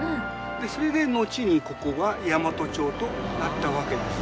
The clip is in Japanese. それで後にここが大和町となったわけです。